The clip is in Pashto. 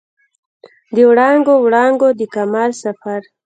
د وړانګو، وړانګو د کمال سفر